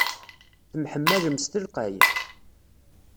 Temḥemmalem s telqey?